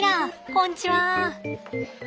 こんちは。